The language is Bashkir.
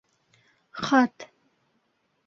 Хат.